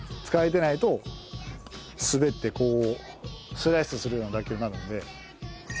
使えてないと滑ってこうスライスするような打球になるので。